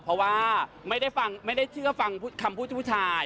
เพราะว่าไม่ได้เชื่อฟังคำพูดผู้ชาย